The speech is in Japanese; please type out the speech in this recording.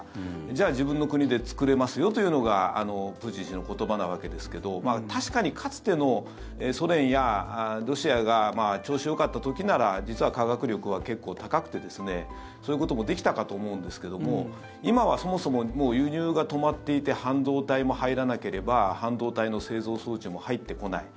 じゃあ、自分の国で作れますよというのがプーチン氏の言葉なわけですけど確かに、かつてのソ連やロシアが調子よかった時なら実は科学力は結構高くてそういうこともできたかと思うんですけども今はそもそも輸入が止まっていて半導体も入らなければ半導体の製造装置も入ってこない。